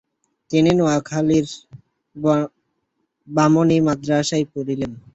তিনি নোয়াখালীর বামনী মাদ্রাসায় পড়ছিলেন।